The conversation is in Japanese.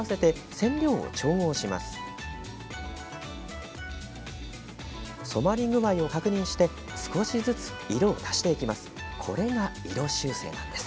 染まり具合を確認して少しずつ色を足していきます。